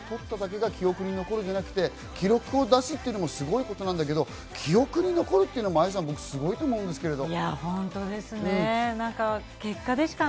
メダルを取っただけが記憶に残るんじゃなくて、記録を出すっていうのもすごいことなんだけど記憶に残るっていうのもすごいと思うんですけれど。